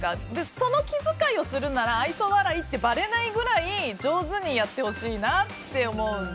その気遣いをするなら愛想笑いってばれないくらい上手にやってほしいなって思うので。